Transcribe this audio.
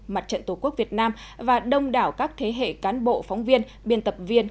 mặt trận tổ quốc việt nam và đông đảo các thế hệ cán bộ phóng viên biên tập viên